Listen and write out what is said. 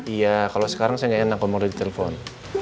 iya kalau sekarang saya gak enak ngomong di telepon